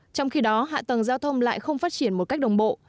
trong khi đó hạ tầng giao thông lại không phát triển một cách đồng bộ